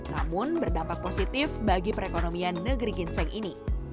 namun berdampak positif bagi perekonomian negeri ginseng ini